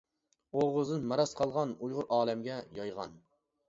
ئوغۇزدىن مىراس قالغان، ئۇيغۇر ئالەمگە يايغان.